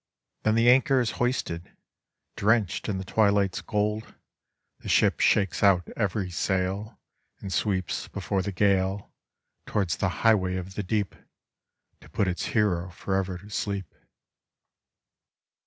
Then the anchor is hoi s ted 1 Drenched in the twili;£it's gold The ship shakes out every sail And sweeps before the gale Towards the highway of the deep, To put its hero forever to sleep.